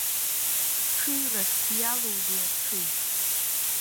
Ҽыҩрас иалоузеи аҽыҩ.